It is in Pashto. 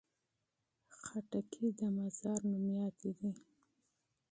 خربوزې د مزار مشهورې دي